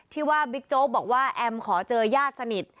ที่ว่าบิ๊กโจ๊กบอกว่าแอมขอเจอญาติสนิท